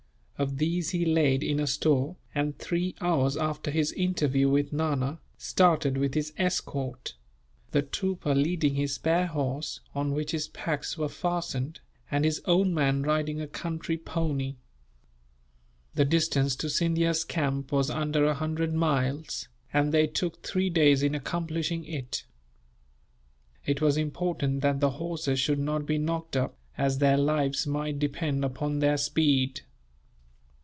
Of these he laid in a store and, three hours after his interview with Nana, started with his escort; the trooper leading his spare horse, on which his packs were fastened, and his own man riding a country pony. The distance to Scindia's camp was under a hundred miles, and they took three days in accomplishing it. It was important that the horses should not be knocked up, as their lives might depend upon their speed.